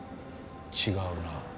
違うな。